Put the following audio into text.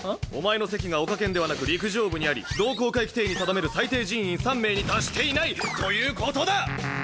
お前の籍がオカ研ではなく陸上部にあり同好会規定に定める最低人員３名に達していないということだ！